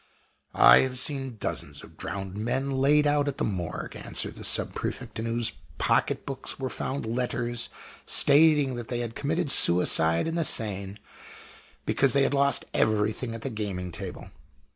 _" "I have seen dozens of drowned men laid out at the Morgue," answered the Sub prefect, "in whose pocket books were found letters stating that they had committed suicide in the Seine, because they had lost everything at the gaming table.